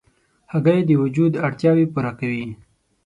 هګۍ د وجود اړتیاوې پوره کوي.